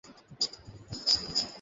ও মারা গিয়েছে, খেল খতম।